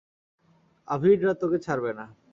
আভিররা তোকে ছাড়বে না।